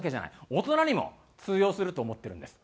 大人にも通用すると思ってるんです。